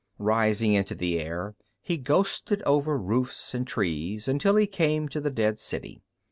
Rising into the air, he ghosted above roofs and trees until he came to the dead city.